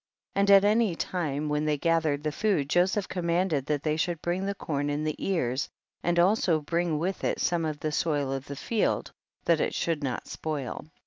9. And at any lime when they gathered the food Joseph command ed that they should bring the corn in the ears, and also bring with it some of the soil of the field, that it should not spoil.